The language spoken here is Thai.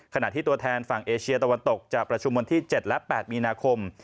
ขณะที่ตัวแทนฝั่งเอเชียตะวันตกจะประชุมวันที่๗และ๘มีนาคม